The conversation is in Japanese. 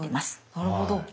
なるほど。